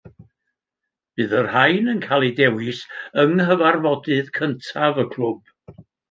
Bydd y rhain yn cael eu dewis yng nghyfarfodydd cyntaf y clwb